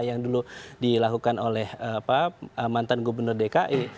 yang dulu dilakukan oleh mantan gubernur dki